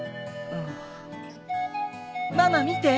ママ見て！